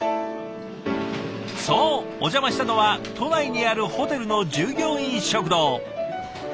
そうお邪魔したのは都内にあるホテルの従業員食堂。